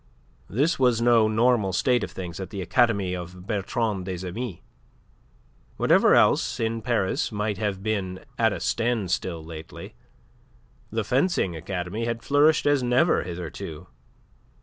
This was no normal state of things at the Academy of Bertrand des Amis. Whatever else in Paris might have been at a standstill lately, the fencing academy had flourished as never hitherto.